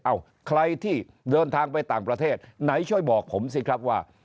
ใครที่เดินทางไปต่างประเทศไหนช่วยบอกผมสิครับว่า